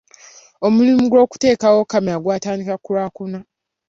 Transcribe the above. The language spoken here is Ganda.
Omulimu gw'okuteekawo kamera gwatandika ku lwakuna.